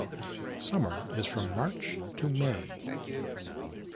Summer is from March to May.